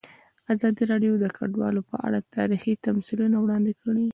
ازادي راډیو د کډوال په اړه تاریخي تمثیلونه وړاندې کړي.